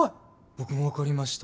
僕も分かりました。